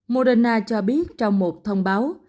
moderna cho biết trong một thông báo